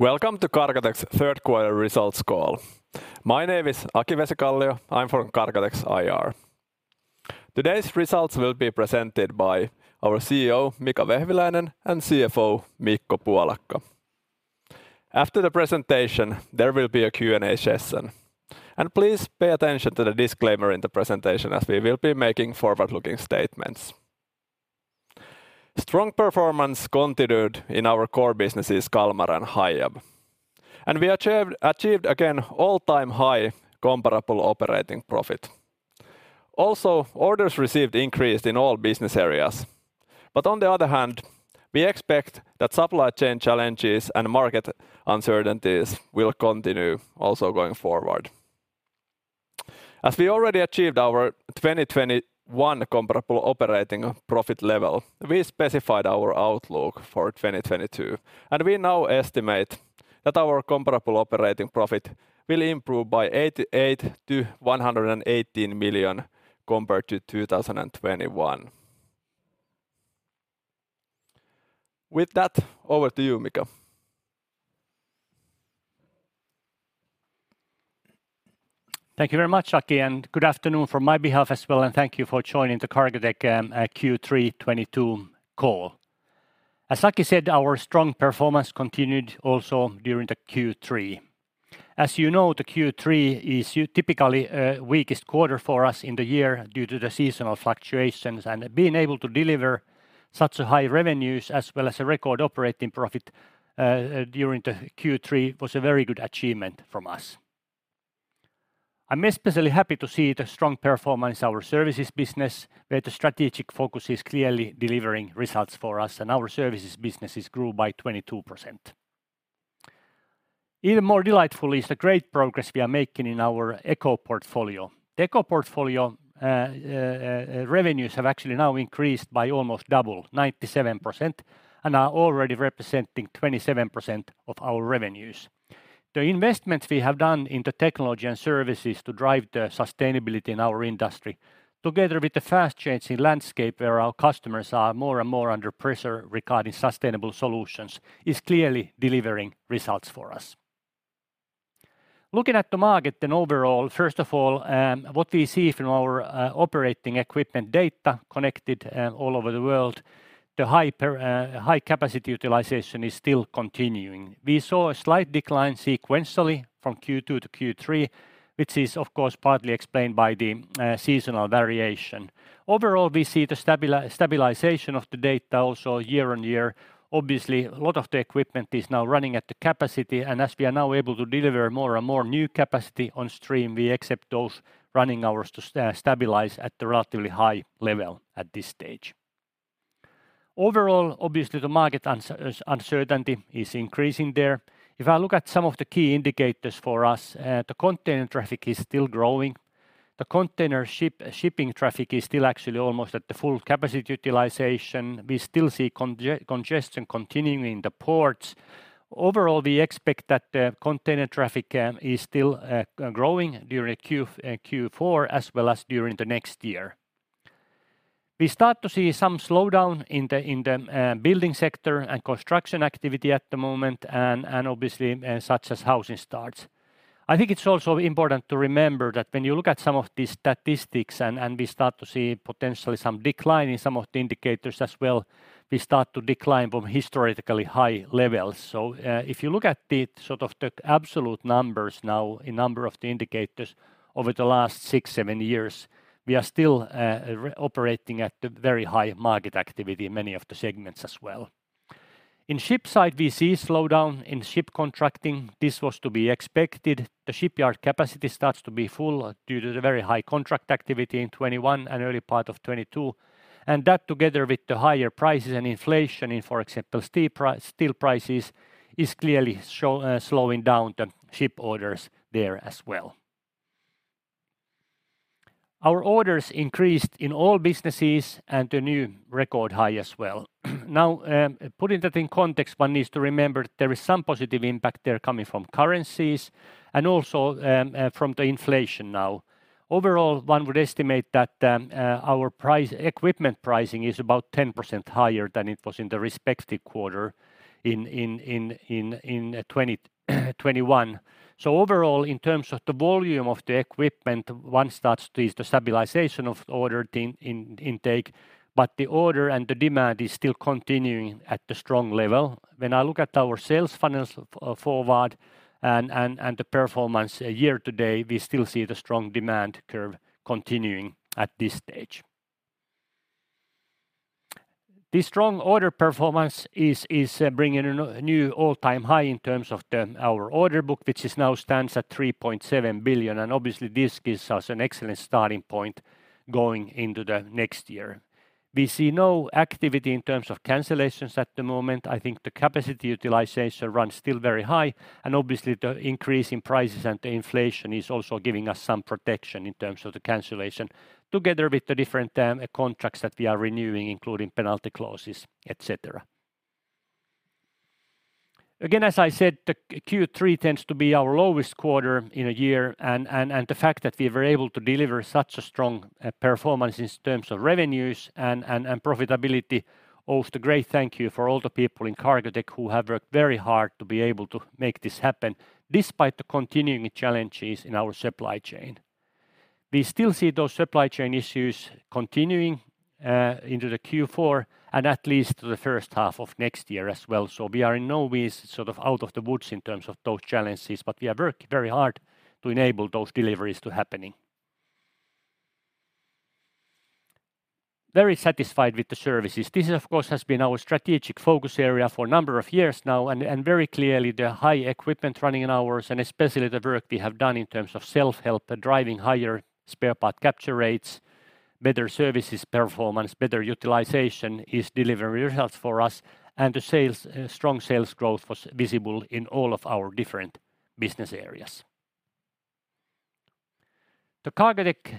Welcome to Cargotec's third quarter results call. My name is Aki Vesikallio. I'm from Cargotec's IR. Today's results will be presented by our CEO, Mika Vehviläinen, and CFO, Mikko Puolakka. After the presentation, there will be a Q&A session. Please pay attention to the disclaimer in the presentation, as we will be making forward-looking statements. Strong performance continued in our core businesses, Kalmar and Hiab, and we achieved again all-time high comparable operating profit. Also, orders received increased in all business areas. On the other hand, we expect that supply chain challenges and market uncertainties will continue also going forward. As we already achieved our 2021 comparable operating profit level, we specified our outlook for 2022, and we now estimate that our comparable operating profit will improve by 88 million-118 million compared to 2021. With that, over to you, Mika. Thank you very much, Aki, and good afternoon on my behalf as well, and thank you for joining the Cargotec Q3 2022 call. As Aki said, our strong performance continued also during the Q3. As you know, the Q3 is typically weakest quarter for us in the year due to the seasonal fluctuations, and being able to deliver such a high revenues as well as a record operating profit during the Q3 was a very good achievement from us. I'm especially happy to see the strong performance of our services business, where the strategic focus is clearly delivering results for us, and our services businesses grew by 22%. Even more delightful is the great progress we are making in our eco portfolio. The eco portfolio revenues have actually now increased by almost double, 97%, and are already representing 27% of our revenues. The investments we have done in the technology and services to drive the sustainability in our industry, together with the fast-changing landscape where our customers are more and more under pressure regarding sustainable solutions, is clearly delivering results for us. Looking at the market then overall, first of all, what we see from our operating equipment data connected all over the world, the high capacity utilization is still continuing. We saw a slight decline sequentially from Q2 to Q3, which is of course partly explained by the seasonal variation. Overall, we see the stabilization of the data also year-on-year. Obviously, a lot of the equipment is now running at the capacity, and as we are now able to deliver more and more new capacity on stream, we accept those running hours to stabilize at the relatively high level at this stage. Overall, obviously, the market uncertainty is increasing there. If I look at some of the key indicators for us, the container traffic is still growing. The container shipping traffic is still actually almost at the full capacity utilization. We still see congestion continuing in the ports. Overall, we expect that the container traffic is still growing during Q4, as well as during the next year. We start to see some slowdown in the building sector and construction activity at the moment and obviously such as housing starts. I think it's also important to remember that when you look at some of these statistics and we start to see potentially some decline in some of the indicators as well, we start to decline from historically high levels. If you look at the sort of absolute numbers now in number of the indicators over the last six, seven years, we are still operating at the very high market activity in many of the segments as well. In ship side, we see slowdown in ship contracting. This was to be expected. The shipyard capacity starts to be full due to the very high contract activity in 2021 and early part of 2022. That together with the higher prices and inflation in, for example, steel prices, is clearly slowing down the ship orders there as well. Our orders increased in all businesses and a new record high as well. Now, putting that in context, one needs to remember there is some positive impact there coming from currencies and also, from the inflation now. Overall, one would estimate that, our equipment pricing is about 10% higher than it was in the respective quarter in 2021. Overall, in terms of the volume of the equipment, one starts to see the stabilization of order intake, but the order and the demand is still continuing at the strong level. When I look at our sales funnels forward and the performance year to date, we still see the strong demand curve continuing at this stage. The strong order performance is bringing a new all-time high in terms of our order book, which now stands at 3.7 billion, and obviously this gives us an excellent starting point going into the next year. We see no activity in terms of cancellations at the moment. I think the capacity utilization runs still very high, and obviously the increase in prices and the inflation is also giving us some protection in terms of the cancellation together with the different contracts that we are renewing, including penalty clauses, et cetera. Again, as I said, the Q3 tends to be our lowest quarter in a year and the fact that we were able to deliver such a strong performance in terms of revenues and profitability. I owe a great thank you for all the people in Cargotec who have worked very hard to be able to make this happen despite the continuing challenges in our supply chain. We still see those supply chain issues continuing into the Q4 and at least the first half of next year as well. We are in no way sort of out of the woods in terms of those challenges, but we are working very hard to enable those deliveries to happen. Very satisfied with the services. This of course has been our strategic focus area for a number of years now, and very clearly the high equipment running hours and especially the work we have done in terms of self-help, driving higher spare part capture rates, better services performance, better utilization is delivering results for us, and the sales, strong sales growth was visible in all of our different business areas. The Cargotec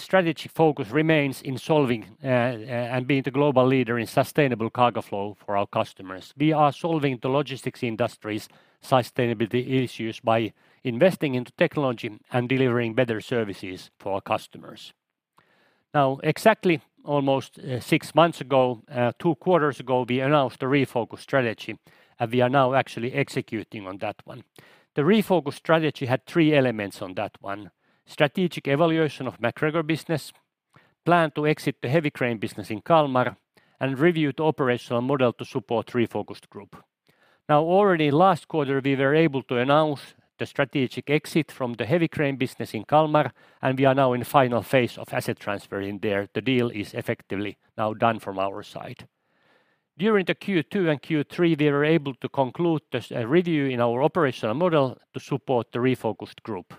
strategic focus remains in solving and being the global leader in sustainable cargo flow for our customers. We are solving the logistics industry's sustainability issues by investing into technology and delivering better services for our customers. Now, exactly almost six months ago, two quarters ago, we announced a refocused strategy, and we are now actually executing on that one. The refocused strategy had three elements on that one: strategic evaluation of MacGregor business, plan to exit the heavy crane business in Kalmar, and review the operational model to support refocused group. Now, already last quarter, we were able to announce the strategic exit from the heavy crane business in Kalmar, and we are now in final phase of asset transfer in there. The deal is effectively now done from our side. During the Q2 and Q3, we were able to conclude this review in our operational model to support the refocused group.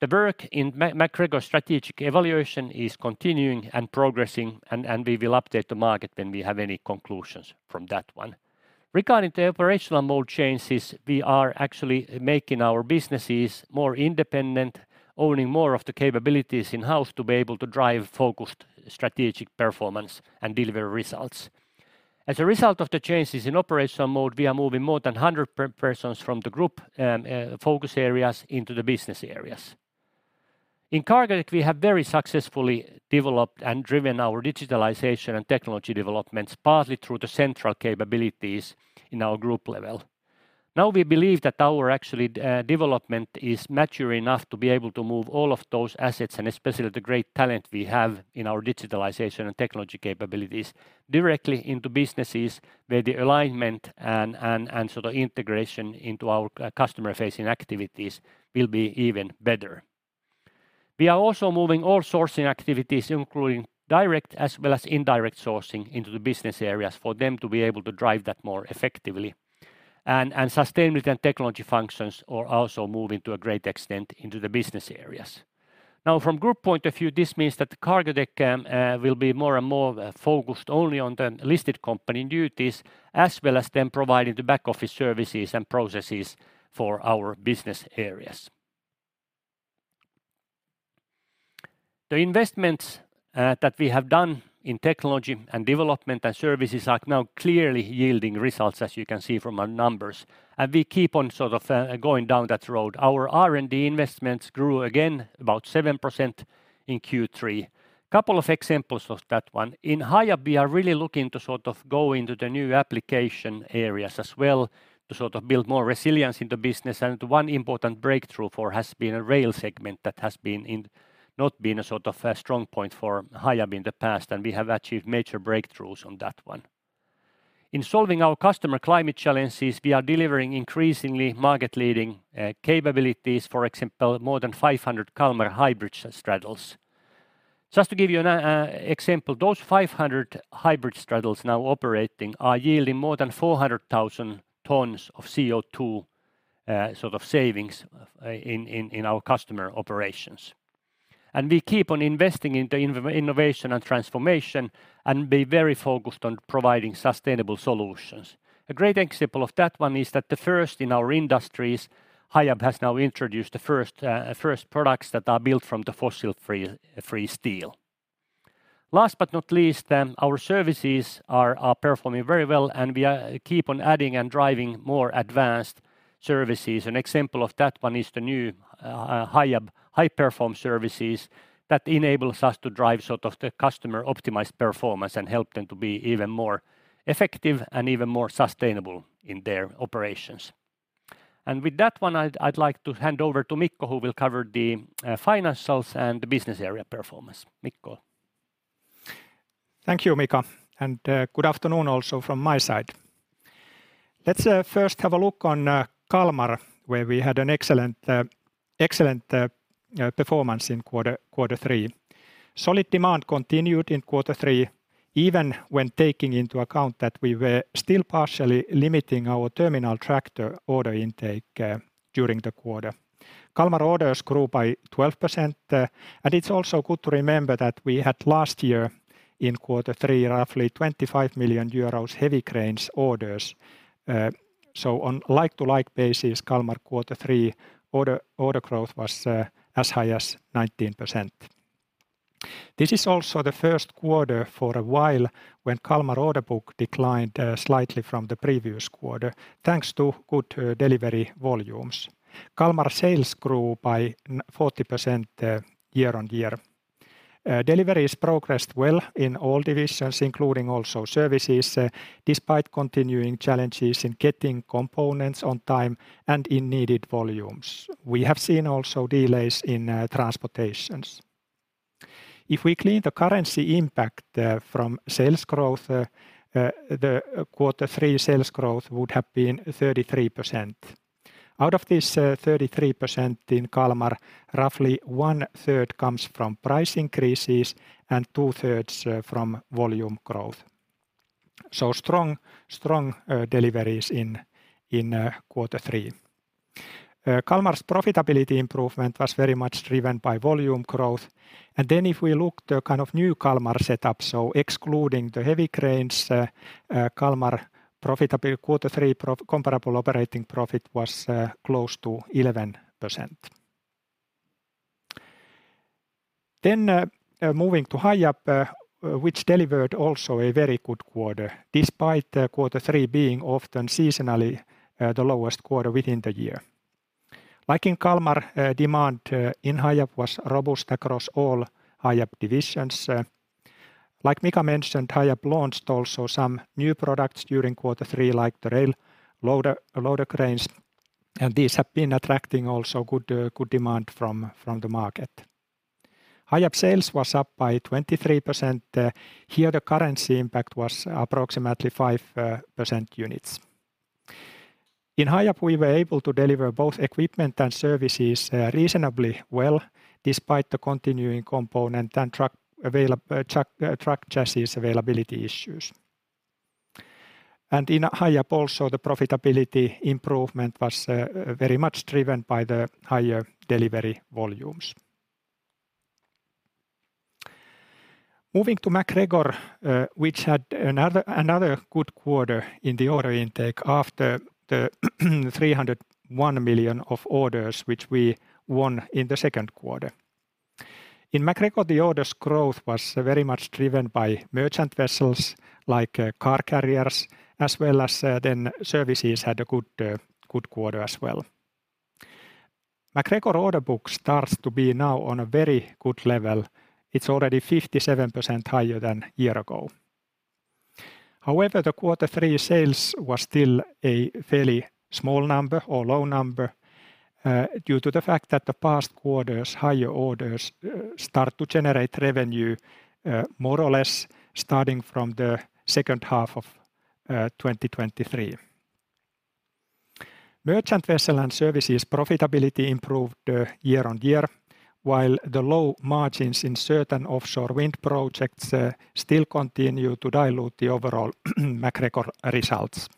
The work in MacGregor strategic evaluation is continuing and progressing, and we will update the market when we have any conclusions from that one. Regarding the operational mode changes, we are actually making our businesses more independent, owning more of the capabilities in-house to be able to drive focused strategic performance and deliver results. As a result of the changes in operational mode, we are moving more than 100 personnel from the group focus areas into the business areas. In Cargotec, we have very successfully developed and driven our digitalization and technology developments, partly through the central capabilities in our group level. Now we believe that our actual development is mature enough to be able to move all of those assets, and especially the great talent we have in our digitalization and technology capabilities, directly into businesses where the alignment and so the integration into our customer-facing activities will be even better. We are also moving all sourcing activities, including direct as well as indirect sourcing, into the business areas for them to be able to drive that more effectively. Sustainability and technology functions are also moving to a great extent into the business areas. Now, from group point of view, this means that Cargotec will be more and more focused only on the listed company duties, as well as them providing the back office services and processes for our business areas. The investments that we have done in technology and development and services are now clearly yielding results, as you can see from our numbers, and we keep on sort of going down that road. Our R&D investments grew again about 7% in Q3. Couple of examples of that one. In Hiab, we are really looking to sort of go into the new application areas as well to sort of build more resilience in the business. One important breakthrough for Hiab has been a rail segment that has not been a sort of a strong point for Hiab in the past, and we have achieved major breakthroughs on that one. In solving our customer climate challenges, we are delivering increasingly market-leading capabilities. For example, more than 500 Kalmar hybrid straddles. Just to give you an example, those 500 hybrid straddles now operating are yielding more than 400,000 tons of CO2 sort of savings in our customer operations. We keep on investing in the innovation and transformation and be very focused on providing sustainable solutions. A great example of that one is that the first in our industries, Hiab has now introduced the first products that are built from the fossil-free steel. Last but not least, our services are performing very well, and we keep on adding and driving more advanced services. An example of that one is the new Hiab HiPerform services that enables us to drive sort of the customer-optimized performance and help them to be even more effective and even more sustainable in their operations. With that one I'd like to hand over to Mikko, who will cover the financials and the business area performance. Mikko? Thank you, Mika, and good afternoon also from my side. Let's first have a look on Kalmar, where we had an excellent performance in quarter three. Solid demand continued in quarter three, even when taking into account that we were still partially limiting our terminal tractor order intake during the quarter. Kalmar orders grew by 12%, and it's also good to remember that we had last year in quarter three roughly 25 million euros heavy cranes orders. On like-for-like basis, Kalmar quarter three order growth was as high as 19%. This is also the first quarter for a while when Kalmar order book declined slightly from the previous quarter thanks to good delivery volumes. Kalmar sales grew by nearly 40%, year on year. Deliveries progressed well in all divisions, including also services, despite continuing challenges in getting components on time and in needed volumes. We have seen also delays in transportations. If we clean the currency impact from sales growth, the quarter three sales growth would have been 33%. Out of this, 33% in Kalmar, roughly 1/3 comes from price increases and 2/3 from volume growth. Strong deliveries in quarter three. Kalmar's profitability improvement was very much driven by volume growth. If we look at the kind of new Kalmar setup, excluding the heavy cranes, Kalmar profitability quarter three comparable operating profit was close to 11%. Moving to Hiab, which delivered also a very good quarter, despite the quarter three being often seasonally the lowest quarter within the year. Like in Kalmar, demand in Hiab was robust across all Hiab divisions. Like Mika mentioned, Hiab launched also some new products during quarter three, like the HIAB iX.RAIL loader cranes. These have been attracting also good demand from the market. Hiab sales was up by 23%. Here the currency impact was approximately 5 percentage points. In Hiab, we were able to deliver both equipment and services reasonably well, despite the continuing component and truck chassis availability issues. In Hiab also the profitability improvement was very much driven by the higher delivery volumes. Moving to MacGregor, which had another good quarter in the order intake after the 301 million of orders, which we won in the second quarter. In MacGregor, the orders growth was very much driven by merchant vessels like car carriers as well as then services had a good quarter as well. MacGregor order book starts to be now on a very good level. It's already 57% higher than year ago. However, the quarter three sales was still a fairly small number or low number due to the fact that the past quarters higher orders start to generate revenue more or less starting from the second half of 2023. Merchant vessel and services profitability improved year-on-year, while the low margins in certain offshore wind projects still continue to dilute the overall MacGregor results.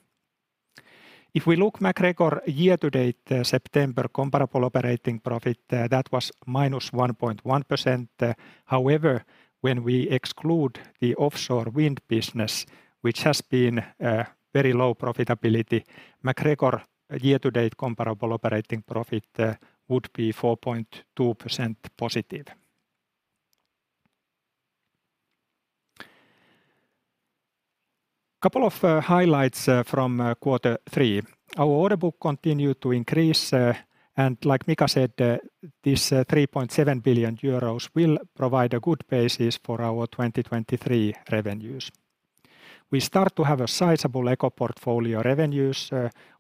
If we look MacGregor year to date September comparable operating profit, that was -1.1%. However, when we exclude the offshore wind business, which has been very low profitability, MacGregor year to date comparable operating profit would be 4.2% positive. Couple of highlights from quarter three. Our order book continued to increase, and like Mika said, this 3.7 billion euros will provide a good basis for our 2023 revenues. We start to have a sizable eco portfolio revenues,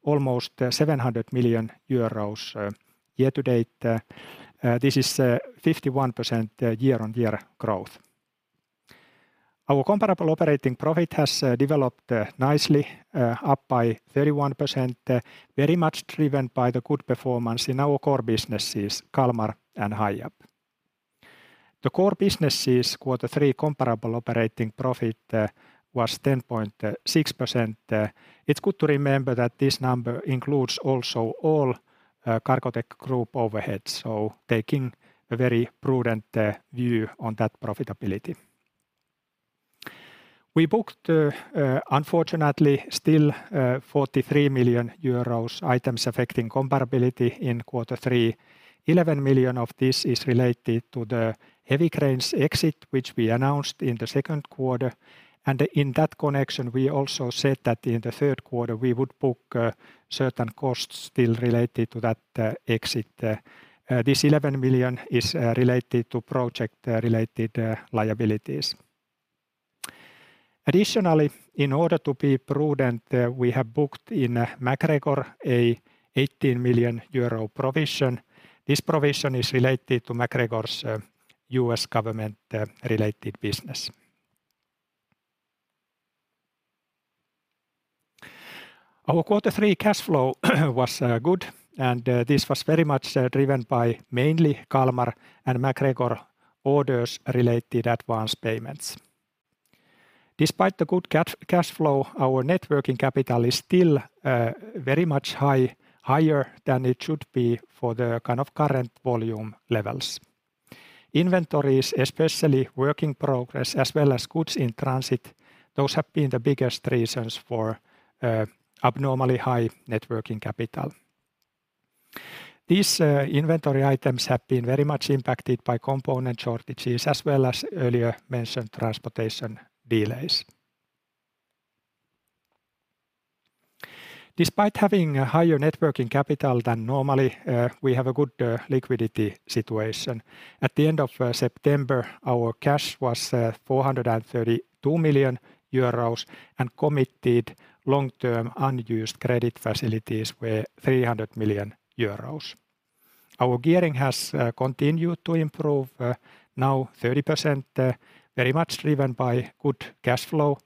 almost 700 million euros year to date. This is 51% year-on-year growth. Our comparable operating profit has developed nicely, up by 31%, very much driven by the good performance in our core businesses, Kalmar and Hiab. The core businesses quarter three comparable operating profit was 10.6%. It's good to remember that this number includes also all Cargotec Group overhead, so taking a very prudent view on that profitability. We booked, unfortunately, still 43 million euros items affecting comparability in quarter three. 11 million of this is related to the heavy cranes exit, which we announced in the second quarter. In that connection, we also said that in the third quarter we would book certain costs still related to that exit. This 11 million is related to project related liabilities. Additionally, in order to be prudent, we have booked in MacGregor a 18 million euro provision. This provision is related to MacGregor's U.S. government related business. Our quarter three cash flow was good, and this was very much driven by mainly Kalmar and MacGregor orders related advance payments. Despite the good cash flow, our net working capital is still very much higher than it should be for the kind of current volume levels. Inventories, especially work in progress as well as goods in transit, those have been the biggest reasons for abnormally high net working capital. These inventory items have been very much impacted by component shortages as well as earlier mentioned transportation delays. Despite having a higher net working capital than normally, we have a good liquidity situation. At the end of September, our cash was 432 million euros and committed long-term unused credit facilities were 300 million euros. Our gearing has continued to improve, now 30%, very much driven by good cash flow,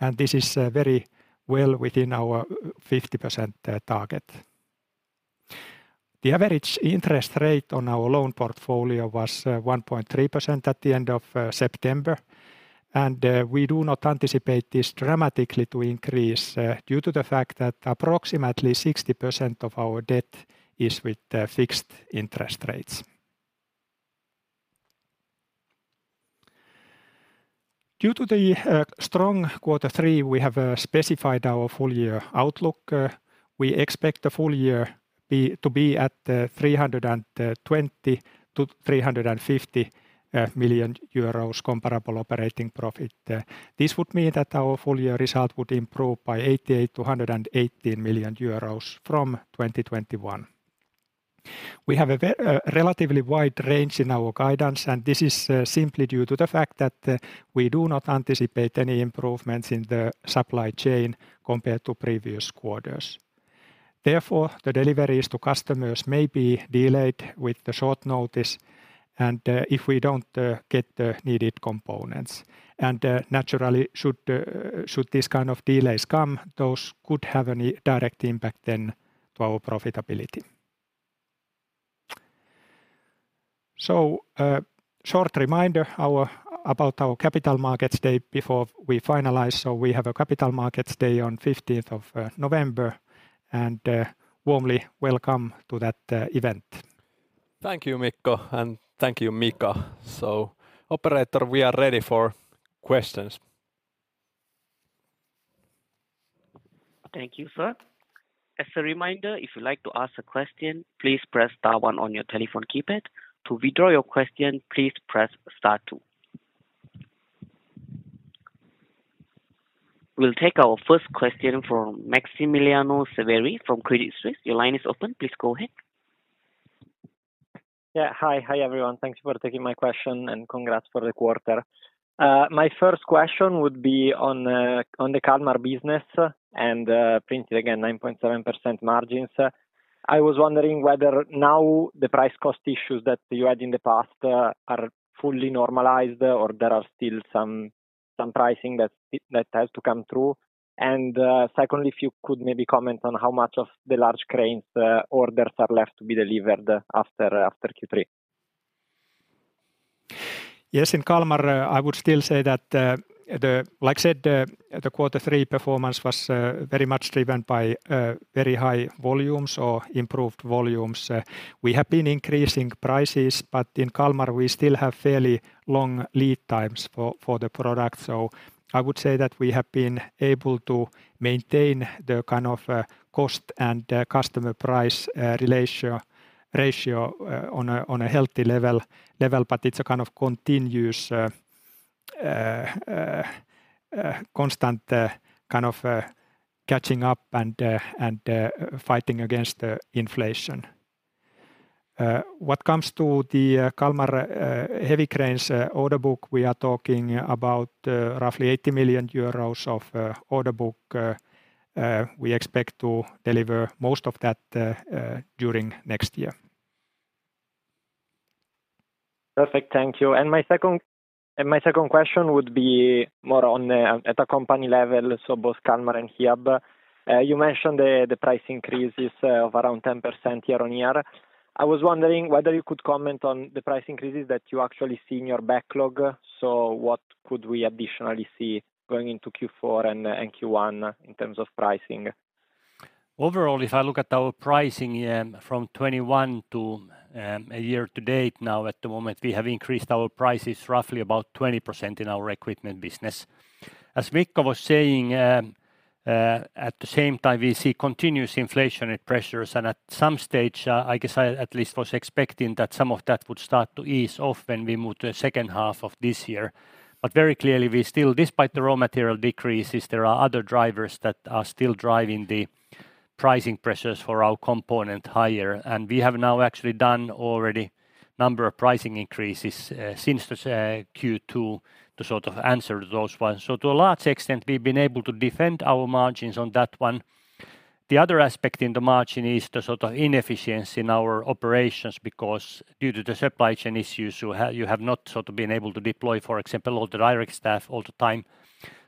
and this is very well within our 50% target. The average interest rate on our loan portfolio was 1.3% at the end of September, and we do not anticipate this dramatically to increase due to the fact that approximately 60% of our debt is with the fixed interest rates. Due to the strong quarter three, we have specified our full year outlook. We expect the full year to be at 320 million-350 million euros comparable operating profit. This would mean that our full year result would improve by 88 million-118 million euros from 2021. We have a relatively wide range in our guidance, and this is simply due to the fact that we do not anticipate any improvements in the supply chain compared to previous quarters. Therefore, the deliveries to customers may be delayed on short notice and if we don't get the needed components. Naturally should these kind of delays come, those could have any direct impact then to our profitability. Short reminder about our Capital Markets Day before we finalize. We have a Capital Markets Day on 15th of November, and warmly welcome to that event. Thank you, Mikko, and thank you, Mika. Operator, we are ready for questions. Thank you, sir. As a reminder, if you'd like to ask a question, please press star one on your telephone keypad. To withdraw your question, please press star two. We'll take our first question from Massimiliano Severi from Credit Suisse. Your line is open. Please go ahead. Hi. Hi, everyone. Thanks for taking my question and congrats for the quarter. My first question would be on the Kalmar business and printed again 9.7% margins. I was wondering whether now the price cost issues that you had in the past are fully normalized or there are still some pricing that has to come through. Secondly, if you could maybe comment on how much of the large cranes orders are left to be delivered after Q3. Yes. In Kalmar, I would still say that. Like I said, the quarter three performance was very much driven by very high volumes or improved volumes. We have been increasing prices, but in Kalmar we still have fairly long lead times for the product. I would say that we have been able to maintain the kind of cost and customer price ratio on a healthy level, but it's a kind of continuous constant kind of catching up and fighting against the inflation. What comes to the Kalmar heavy cranes order book, we are talking about roughly 80 million euros of order book. We expect to deliver most of that during next year. Perfect. Thank you. My second question would be more on at a company level, so both Kalmar and Hiab. You mentioned the price increases of around 10% year-on-year. I was wondering whether you could comment on the price increases that you actually see in your backlog. What could we additionally see going into Q4 and Q1 in terms of pricing? Overall, if I look at our pricing, from 2021 to a year to date now at the moment, we have increased our prices roughly about 20% in our equipment business. As Mikko was saying, at the same time, we see continuous inflationary pressures and at some stage, I guess I at least was expecting that some of that would start to ease off when we move to a second half of this year. Very clearly, we still, despite the raw material decreases, there are other drivers that are still driving the pricing pressures for our component higher. We have now actually done already number of pricing increases, since this Q2 to sort of answer those ones. To a large extent, we've been able to defend our margins on that one. The other aspect in the margin is the sort of inefficiency in our operations, because due to the supply chain issues, you have not sort of been able to deploy, for example, all the direct staff all the time.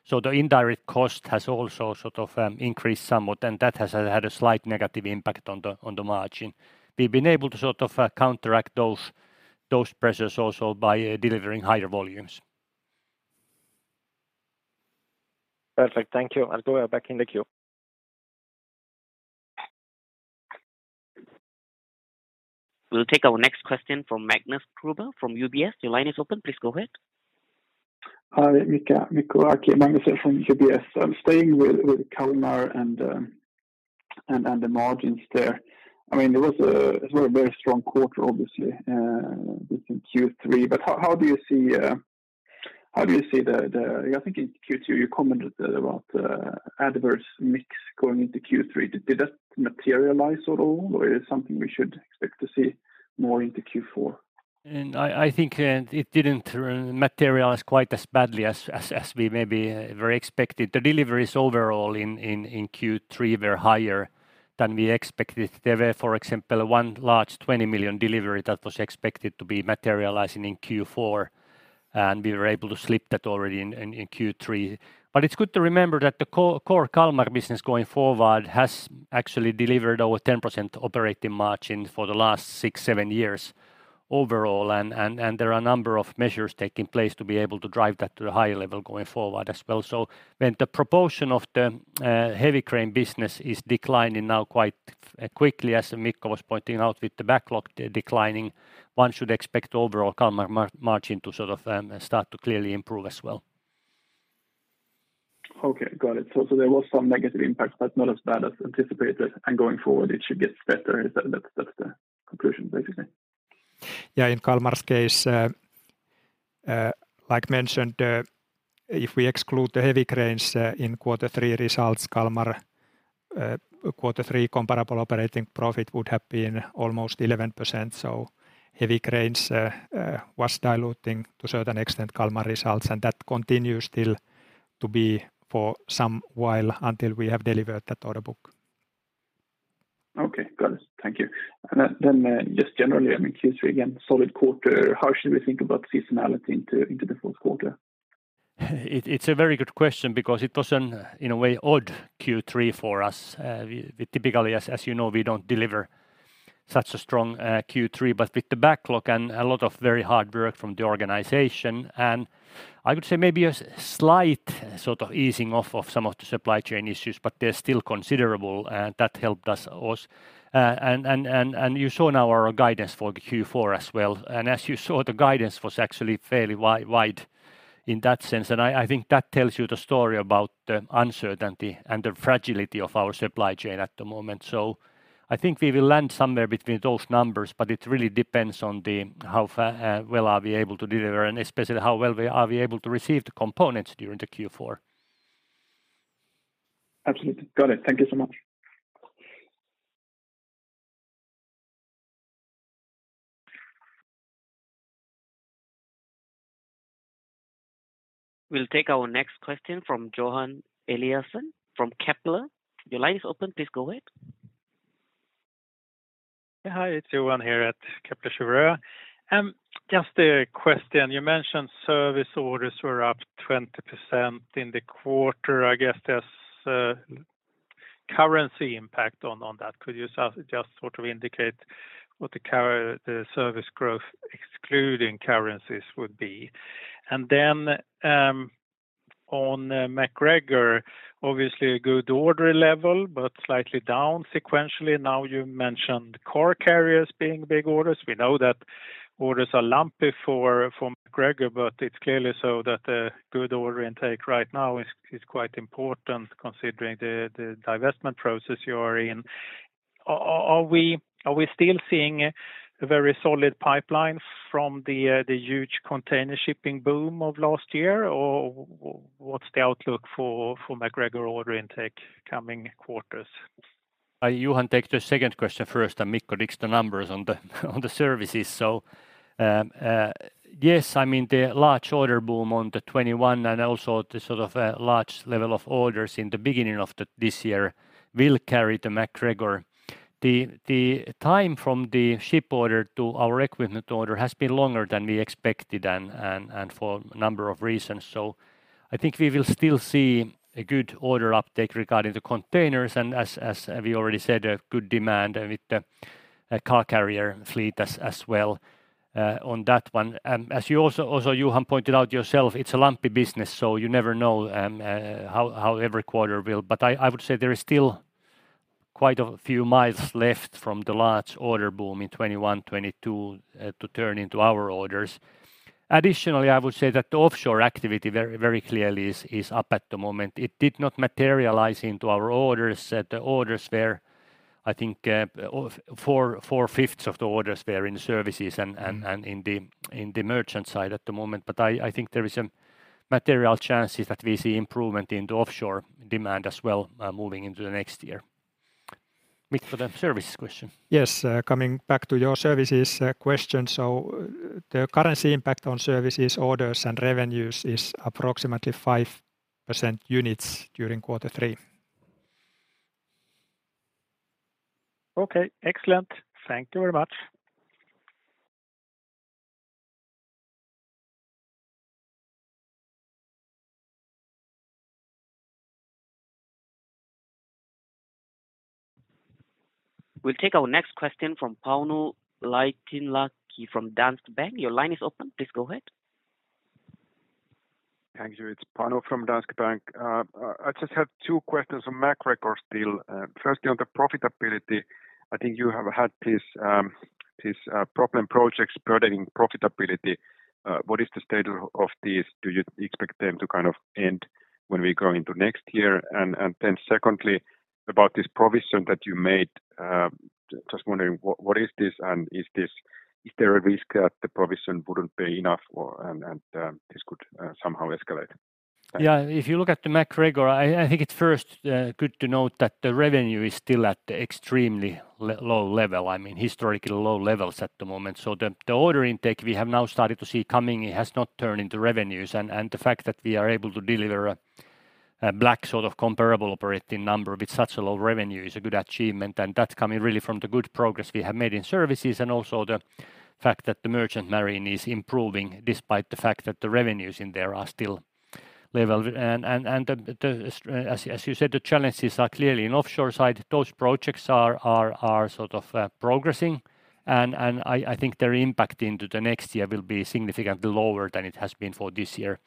The indirect cost has also sort of increased somewhat, and that has had a slight negative impact on the margin. We've been able to sort of counteract those pressures also by delivering higher volumes. Perfect. Thank you. I'll go back in the queue. We'll take our next question from Magnus Kruber from UBS. Your line is open. Please go ahead. Hi, Mika, Mikko. Again, Magnus here from UBS. I'm staying with Kalmar and the margins there. I mean, it was a very strong quarter, obviously, between Q3, but how do you see the. I think in Q2 you commented about the adverse mix going into Q3. Did that materialize at all or is something we should expect to see more into Q4? I think it didn't materialize quite as badly as we maybe very expected. The deliveries overall in Q3 were higher than we expected. There were, for example, one large 20 million delivery that was expected to be materializing in Q4, and we were able to slip that already in Q3. It's good to remember that the core Kalmar business going forward has actually delivered over 10% operating margin for the last six, seven years overall. There are a number of measures taking place to be able to drive that to a higher level going forward as well. When the proportion of the heavy crane business is declining now quite quickly, as Mikko was pointing out, with the backlog declining, one should expect overall Kalmar margin to sort of start to clearly improve as well. Okay. Got it. There was some negative impact, but not as bad as anticipated, and going forward it should get better. Is that? That's the conclusion, basically? Yeah. In Kalmar's case, like mentioned, if we exclude the heavy cranes in quarter three results, Kalmar quarter three comparable operating profit would have been almost 11%. Heavy cranes was diluting to a certain extent Kalmar results, and that continues still to be for some while until we have delivered that order book. Okay. Got it. Thank you. Just generally, I mean, Q3, again, solid quarter. How should we think about seasonality into the fourth quarter? It's a very good question because it was, in a way, odd Q3 for us. We typically, as you know, we don't deliver such a strong Q3, but with the backlog and a lot of very hard work from the organization, and I would say maybe a slight sort of easing off of some of the supply chain issues, but they're still considerable. That helped us also. You saw now our guidance for Q4 as well. As you saw, the guidance was actually fairly wide in that sense. I think that tells you the story about the uncertainty and the fragility of our supply chain at the moment. I think we will land somewhere between those numbers, but it really depends on how well we are able to deliver, and especially how well we are able to receive the components during the Q4. Absolutely. Got it. Thank you so much. We'll take our next question from Johan Eliason from Kepler. Your line is open. Please go ahead. Hi, it's Johan Eliason here at Kepler Cheuvreux. Just a question. You mentioned service orders were up 20% in the quarter. I guess there's a currency impact on that. Could you sort of indicate what the service growth excluding currencies would be? Then, on MacGregor, obviously a good order level, but slightly down sequentially. Now, you mentioned car carriers being big orders. We know that orders are lumpy for MacGregor, but it's clearly so that a good order intake right now is quite important considering the divestment process you are in. Are we still seeing a very solid pipelines from the huge container shipping boom of last year, or what's the outlook for MacGregor order intake coming quarters? I, Johan, take the second question first, and Mikko digs the numbers on the services. Yes, I mean, the large order boom in 2021 and also the sort of large level of orders in the beginning of this year will carry MacGregor. The time from the ship order to our equipment order has been longer than we expected and for a number of reasons. I think we will still see a good order uptake regarding the containers and, as we already said, a good demand with the car carriers fleet as well on that one. As you also pointed out, Johan, it's a lumpy business, so you never know how every quarter will. I would say there is still quite a few miles left from the large order boom in 2021, 2022, to turn into our orders. Additionally, I would say that the offshore activity very clearly is up at the moment. It did not materialize into our orders. The orders were, I think, four-fifths of the orders were in services and in the merchant side at the moment. I think there is a material chance that we see improvement in the offshore demand as well, moving into the next year. Mikko, the services question. Yes, coming back to your services question. So the currency impact on services, orders, and revenues is approximately 5% units during quarter three. Okay. Excellent. Thank you very much. We'll take our next question from Pauno Laitila from Danske Bank. Your line is open. Please go ahead. Thank you. It's Pauno from Danske Bank. I just have two questions on MacGregor steel. First, on the profitability, I think you have had these problem projects burdening profitability. What is the state of these? Do you expect them to kind of end when we go into next year? Second, about this provision that you made, just wondering what this is and is there a risk that the provision wouldn't be enough or and this could somehow escalate? Thanks. Yeah, if you look at the MacGregor, I think it's first good to note that the revenue is still at extremely low level. I mean, historically low levels at the moment. The order intake we have now started to see coming has not turned into revenues. The fact that we are able to deliver a black sort of comparable operating number with such a low revenue is a good achievement, and that's coming really from the good progress we have made in services and also the fact that the merchant marine is improving despite the fact that the revenues in there are still level. As you said, the challenges are clearly in offshore side. Those projects are sort of progressing. I think their impact into the next year will be significantly lower than it has been for this year.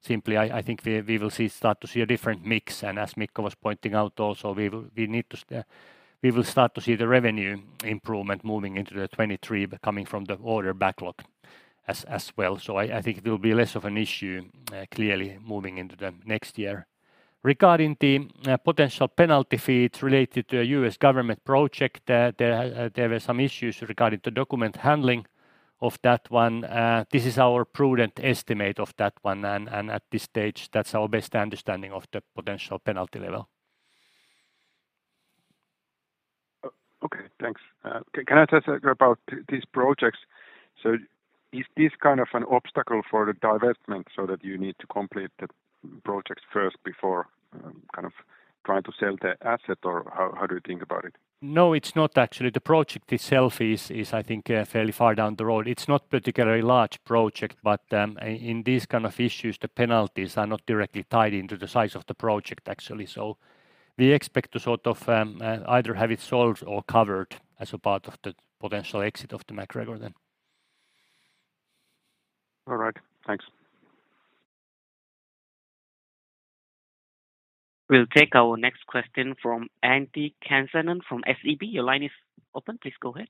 Simply, I think we will start to see a different mix. As Mikko was pointing out also, we will start to see the revenue improvement moving into the 2023, but coming from the order backlog as well. I think it will be less of an issue, clearly moving into the next year. Regarding the potential penalty fees related to a U.S. government project, there were some issues regarding the document handling of that one. This is our prudent estimate of that one. At this stage, that's our best understanding of the potential penalty level. Okay, thanks. Can I just ask about these projects? Is this kind of an obstacle for the divestment so that you need to complete the projects first before kind of trying to sell the asset, or how do you think about it? No, it's not actually. The project itself is I think fairly far down the road. It's not particularly large project, but in these kind of issues, the penalties are not directly tied into the size of the project, actually. We expect to sort of either have it solved or covered as a part of the potential exit of the MacGregor then. All right. Thanks. We'll take our next question from Antti Kansanen from SEB. Your line is open. Please go ahead.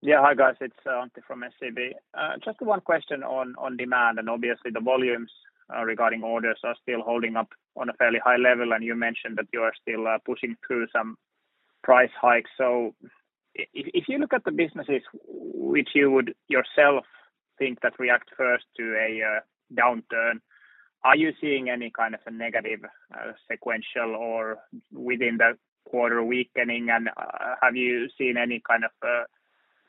Yeah. Hi, guys. It's Antti from SEB. Just one question on demand, and obviously the volumes regarding orders are still holding up on a fairly high level, and you mentioned that you are still pushing through some price hikes. If you look at the businesses which you would yourself think that react first to a downturn, are you seeing any kind of a negative sequential or within the quarter weakening? Have you seen any kind of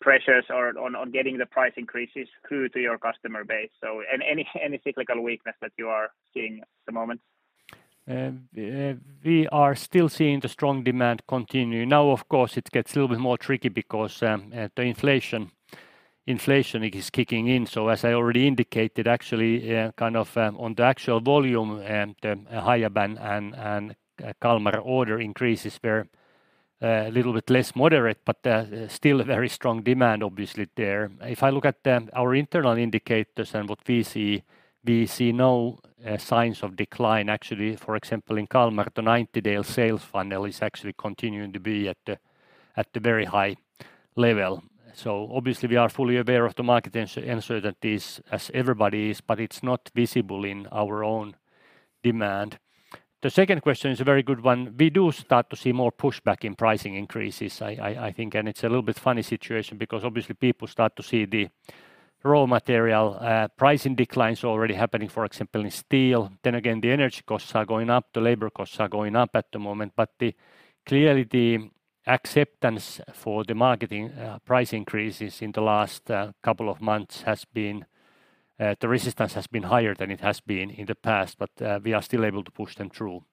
pressures on getting the price increases through to your customer base? Any cyclical weakness that you are seeing at the moment? We are still seeing the strong demand continue. Now, of course, it gets a little bit more tricky because the inflation is kicking in. So as I already indicated, actually, kind of, on the actual volume, the Hiab and Kalmar order increases were a little bit less moderate, but still very strong demand obviously there. If I look at our internal indicators and what we see, we see no signs of decline. Actually, for example, in Kalmar, the 90-day sales funnel is actually continuing to be at the very high level. So obviously we are fully aware of the market uncertainties as everybody is, but it's not visible in our own demand. The second question is a very good one. We do start to see more pushback in pricing increases, I think, and it's a little bit funny situation because obviously people start to see the raw material pricing declines already happening, for example, in steel. The energy costs are going up, the labor costs are going up at the moment. Clearly the acceptance for the market price increases in the last couple of months has been, the resistance has been higher than it has been in the past, but we are still able to push them through.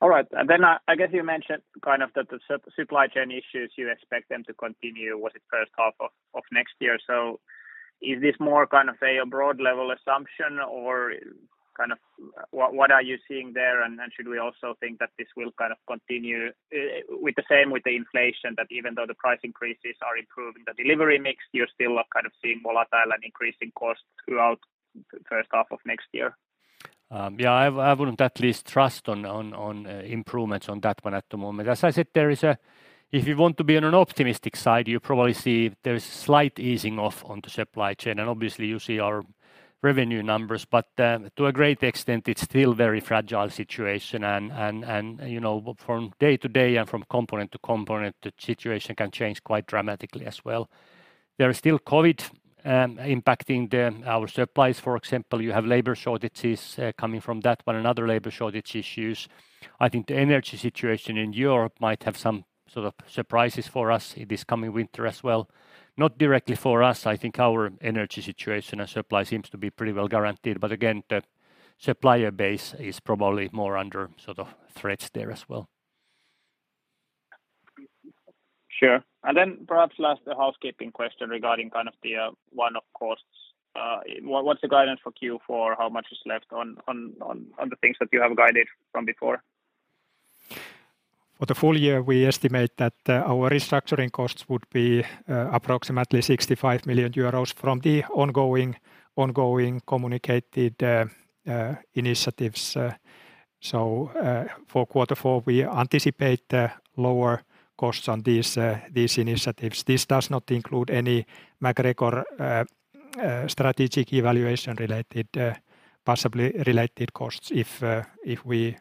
All right. I guess you mentioned kind of the supply chain issues, you expect them to continue, was it first half of next year? Is this more kind of a broad level assumption or kind of what are you seeing there? Should we also think that this will kind of continue with the same inflation, that even though the price increases are improving the delivery mix, you're still kind of seeing volatile and increasing costs throughout first half of next year? Yeah, I wouldn't at least trust on improvements on that one at the moment. As I said, if you want to be on an optimistic side, you probably see there's slight easing off on the supply chain, and obviously you see our revenue numbers. To a great extent, it's still very fragile situation and, you know, from day to day and from component to component, the situation can change quite dramatically as well. There is still COVID impacting our supplies, for example. You have labor shortages coming from that one and other labor shortage issues. I think the energy situation in Europe might have some sort of surprises for us this coming winter as well. Not directly for us. I think our energy situation and supply seems to be pretty well guaranteed, but again, the supplier base is probably more under sort of threats there as well. Sure. Then perhaps last housekeeping question regarding kind of the one-off costs. What's the guidance for Q4? How much is left on the things that you have guided from before? For the full year, we estimate that our restructuring costs would be approximately 65 million euros from the ongoing communicated initiatives. For quarter four, we anticipate the lower costs on these initiatives. This does not include any MacGregor strategic evaluation-related possibly related costs if we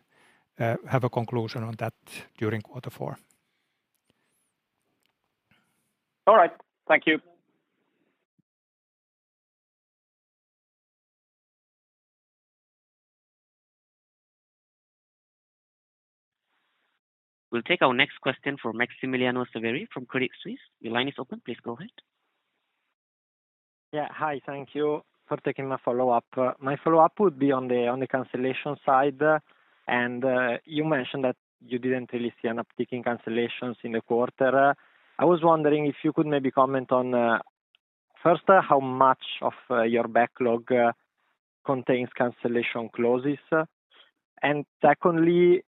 have a conclusion on that during quarter four. All right. Thank you. We'll take our next question from Massimiliano Severi from Credit Suisse. Your line is open. Please go ahead. Hi. Thank you for taking my follow-up. My follow-up would be on the cancellation side. You mentioned that you didn't really see an uptick in cancellations in the quarter. I was wondering if you could maybe comment on first, how much of your backlog contains cancellation clauses. And secondly,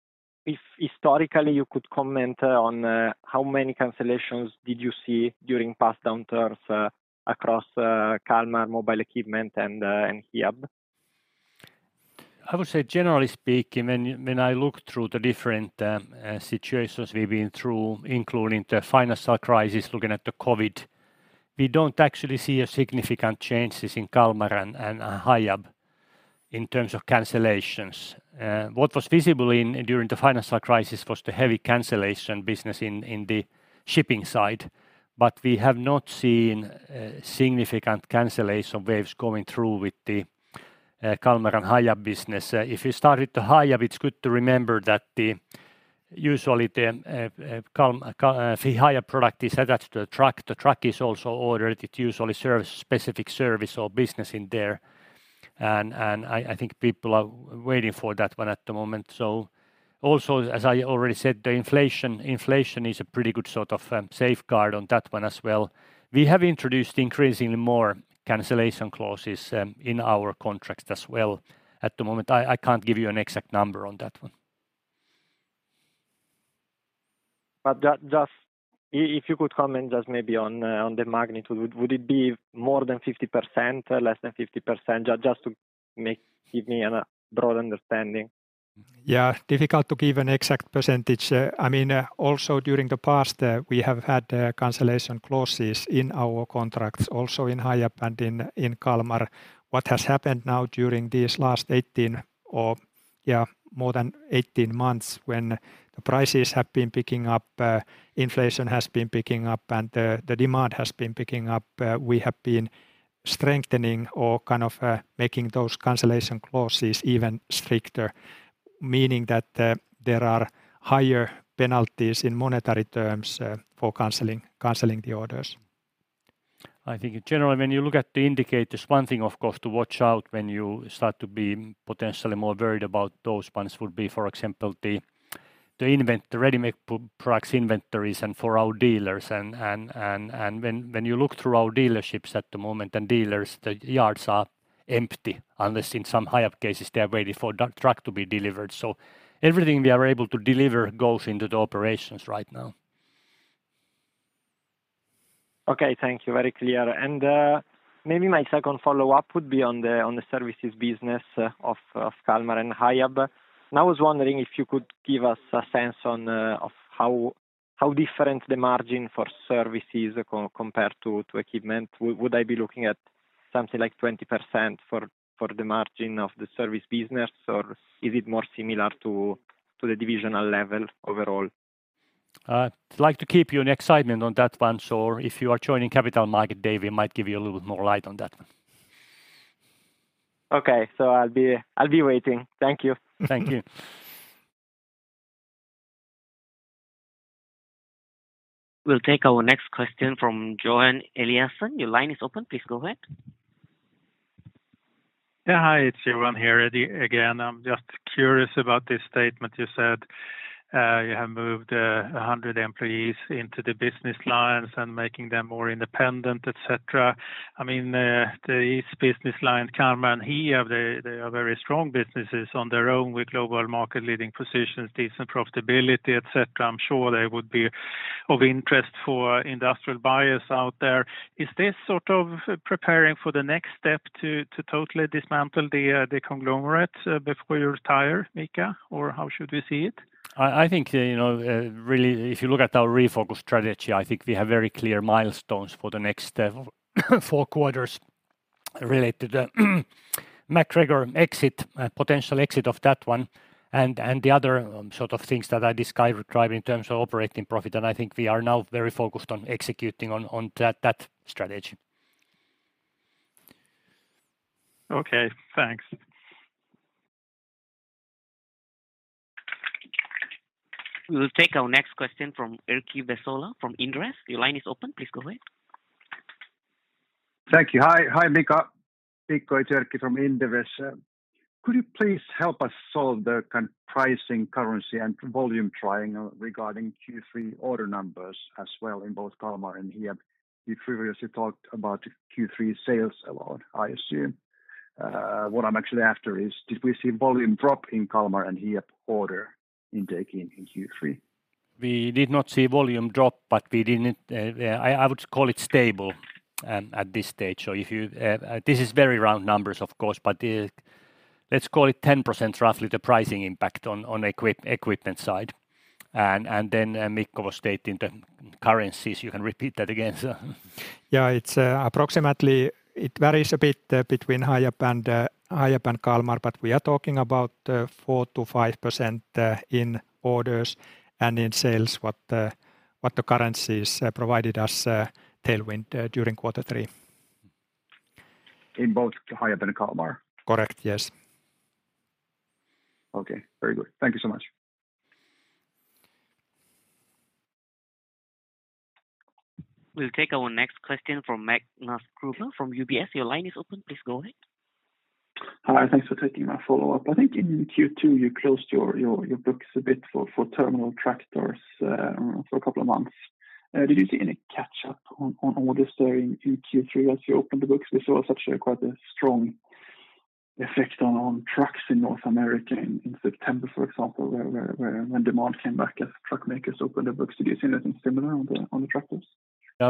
if historically you could comment on how many cancellations did you see during past downturns across Kalmar mobile equipment and HIAB? I would say generally speaking, when I look through the different situations we've been through, including the financial crisis, looking at the COVID, we don't actually see a significant changes in Kalmar and Hiab in terms of cancellations. What was visible during the financial crisis was the heavy cancellation business in the shipping side. We have not seen significant cancellation waves going through with the Kalmar and Hiab business. If you started the Hiab, it's good to remember that usually the Hiab product is attached to a truck. The truck is also ordered. It usually serves specific service or business in there. I think people are waiting for that one at the moment. Also, as I already said, the inflation is a pretty good sort of safeguard on that one as well. We have introduced increasingly more cancellation clauses in our contracts as well at the moment. I can't give you an exact number on that one. Just if you could comment just maybe on the magnitude, would it be more than 50% or less than 50%? Just give me a broad understanding. Yeah. Difficult to give an exact percentage. I mean, also during the past, we have had cancellation clauses in our contracts also in Hiab and in Kalmar. What has happened now during these last more than 18 months when the prices have been picking up, inflation has been picking up, and the demand has been picking up, we have been strengthening or kind of making those cancellation clauses even stricter, meaning that there are higher penalties in monetary terms for canceling the orders. I think in general, when you look at the indicators, one thing of course to watch out when you start to be potentially more worried about those ones would be, for example, the ready-made products inventories and for our dealers and when you look through our dealerships at the moment and dealers, the yards are empty, unless in some Hiab cases they are waiting for the truck to be delivered. Everything we are able to deliver goes into the operations right now. Okay. Thank you. Very clear. Maybe my second follow-up would be on the services business of Kalmar and Hiab. I was wondering if you could give us a sense of how different the margin for services compared to equipment. Would I be looking at something like 20% for the margin of the service business, or is it more similar to the divisional level overall? I'd like to keep you in excitement on that one. If you are joining Capital Markets Day, we might give you a little bit more light on that one. Okay. I'll be waiting. Thank you. Thank you. We'll take our next question from Johan Eliason. Your line is open. Please go ahead. Yeah. Hi, it's Johan here again. I'm just curious about this statement you said, you have moved 100 employees into the business lines and making them more independent, etc. I mean, these business line, Kalmar and Hiab, they are very strong businesses on their own with global market leading positions, decent profitability, etc. I'm sure they would be of interest for industrial buyers out there. Is this sort of preparing for the next step to totally dismantle the conglomerate before you retire, Mika, or how should we see it? I think, you know, really if you look at our refocus strategy, I think we have very clear milestones for the next four quarters related to the MacGregor exit, potential exit of that one and the other sort of things that I described driving in terms of operating profit. I think we are now very focused on executing on that strategy. Okay. Thanks. We will take our next question from Erkki Vesola from Inderes. Your line is open. Please go ahead. Thank you. Hi. Hi, Mika. Mika, it's Erkki from Inderes. Could you please help us solve the pricing, currency, and volume triangle regarding Q3 order numbers as well in both Kalmar and HIAB? You previously talked about Q3 sales a lot, I assume. What I'm actually after is did we see volume drop in Kalmar and HIAB order intake in Q3? We did not see volume drop, but we didn't. I would call it stable at this stage. If you... This is very round numbers, of course, but, let's call it 10% roughly the pricing impact on equipment side. Then Mikko was stating the currencies. You can repeat that again, sir. It's approximately. It varies a bit between Hiab and Kalmar, but we are talking about 4%-5% in orders and in sales, what the currencies provided us tailwind during quarter three. In both Hiab and Kalmar? Correct, yes. Okay. Very good. Thank you so much. We'll take our next question from Magnus Kruber from UBS. Your line is open. Please go ahead. Hi. Thanks for taking my follow-up. I think in Q2 you closed your books a bit for terminal tractors for a couple of months. Did you see any catch-up on orders there in Q3 as you opened the books? We saw such a quite strong effect on trucks in North America in September, for example, where when demand came back as truck makers opened their books. Did you see anything similar on the tractors?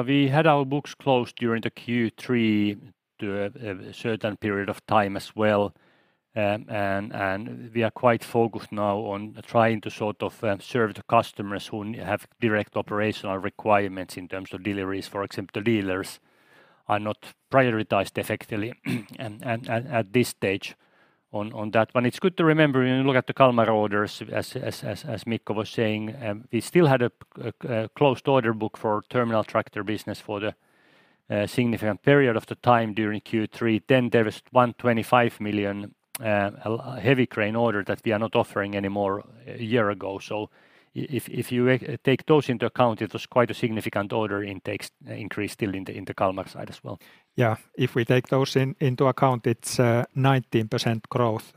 We had our books closed during the Q3 to a certain period of time as well. We are quite focused now on trying to sort of serve the customers who have direct operational requirements in terms of deliveries. For example, dealers are not prioritized effectively and at this stage on that one. It's good to remember when you look at the Kalmar orders as Mikko was saying, we still had a closed order book for terminal tractor business for the significant period of the time during Q3. Then there is 125 million heavy crane order that we are not offering anymore a year ago. If you take those into account, it was quite a significant order intakes increase still in the Kalmar side as well. Yeah. If we take those into account, it's 19% growth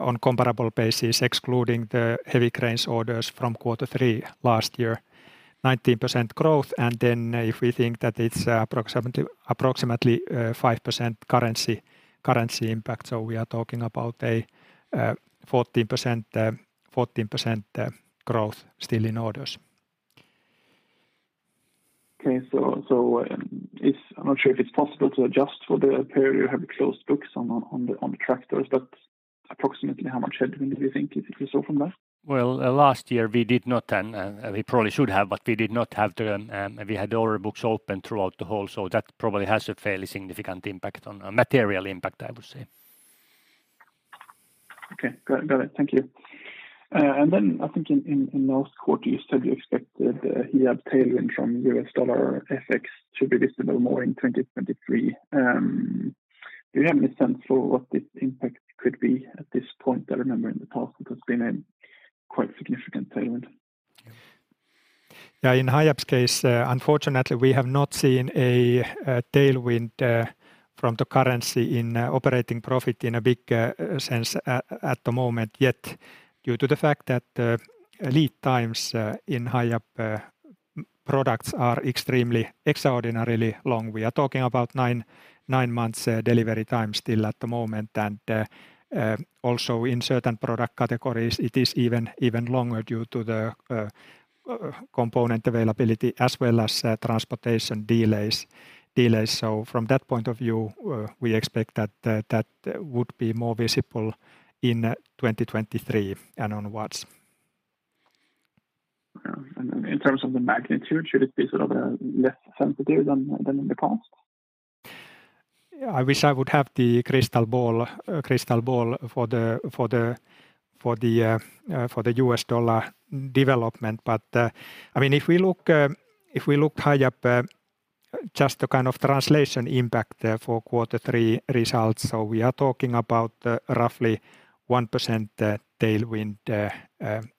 on comparable basis excluding the heavy cranes orders from quarter three last year. 19% growth, and then if we think that it's approximately 5% currency impact, so we are talking about 14% growth still in orders. I'm not sure if it's possible to adjust for the period you have closed books on the tractors, but approximately how much headwind do you think you saw from that? Well, last year we did not, and we probably should have, but we did not have the. We had order books open throughout the whole, so that probably has a fairly significant material impact, I would say. Okay. Got it. Thank you. I think in last quarter you said you expected Hiab tailwind from U.S. dollar FX should be visible more in 2023. Do you have any sense for what the impact could be at this point? I remember in the past it has been a quite significant tailwind. Yeah. In Hiab's case, unfortunately we have not seen a tailwind from the currency in operating profit in a big sense at the moment yet due to the fact that the lead times in Hiab products are extremely extraordinarily long. We are talking about nine months delivery time still at the moment. Also in certain product categories it is even longer due to the component availability as well as transportation delays. From that point of view, we expect that would be more visible in 2023 and onwards. Okay. In terms of the magnitude, should it be sort of less sensitive than in the past? I wish I would have the crystal ball for the U.S. dollar development. I mean, if we look high up, just to kind of translation impact there for quarter three results, we are talking about roughly 1% tailwind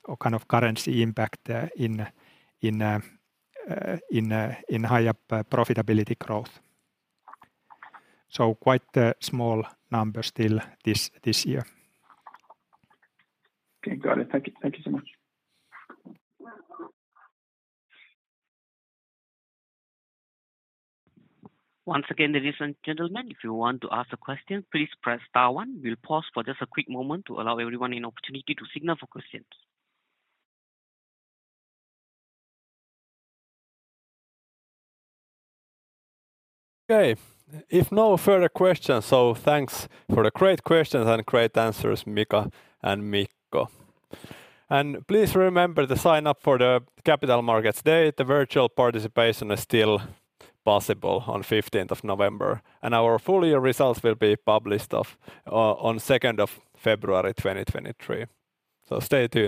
or kind of currency impact in Hiab profitability growth. Quite a small number still this year. Okay. Got it. Thank you. Thank you so much. Once again, ladies and gentlemen, if you want to ask a question, please press star one. We'll pause for just a quick moment to allow everyone an opportunity to signal for questions. Okay. If no further questions, so thanks for the great questions and great answers, Mika and Mikko. Please remember to sign up for the Capital Markets Day. The virtual participation is still possible on 15th of November. Our full year results will be published on 2nd of February 2023. Stay tuned.